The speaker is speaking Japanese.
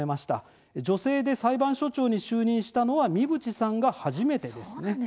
女性で裁判所長に就任したのは三淵さんが初めてですね。